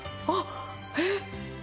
あっえっ！